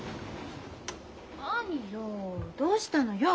何よどうしたのよ。